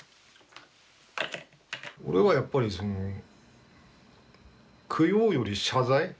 俺はやっぱりその供養より謝罪。